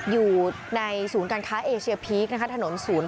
อยู่ในศูนย์การค้าเอเชียพีคถนนศูนย์